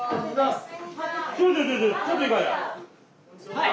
はい！